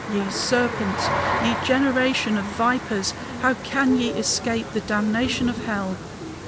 Ye serpents! Ye generation of vipers! How can ye escape the damnation of hell?